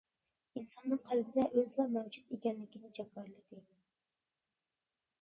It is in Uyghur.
ئىنساننىڭ قەلبىدە ئۆزىلا مەۋجۇت ئىكەنلىكىنى جاكارلىدى.